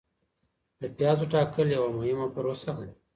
د پیازو ټاکل یوه مهمه پروسه ده.